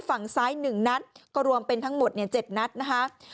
ฝั่งซ้ายหนึ่งนัดก็รวมเป็นทั้งหมดเนี่ยเจ็ดนัดนะคะ